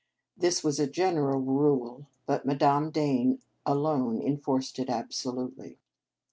This was a general rule, but Madame Dane alone enforced it absolutely.